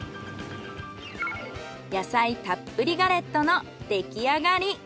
野菜たっぷりガレットの出来上がり。